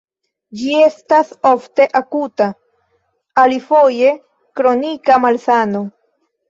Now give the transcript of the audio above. Ĝi estas ofte akuta, alifoje kronika malsano.